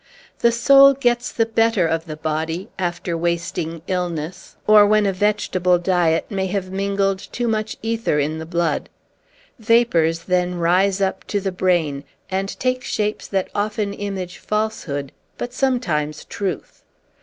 The soul gets the better of the body, after wasting illness, or when a vegetable diet may have mingled too much ether in the blood. Vapors then rise up to the brain, and take shapes that often image falsehood, but sometimes truth.